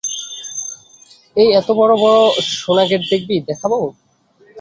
এই এত বড় বড় সোনাগোটে-দেখবি, দেখাবো?